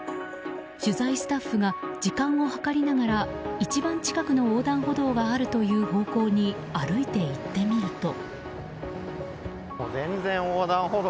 取材スタッフが時間を計りながら一番近くの横断歩道があるという方向に歩いて行ってみると。